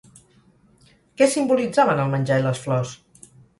Què simbolitzaven el menjar i les flors?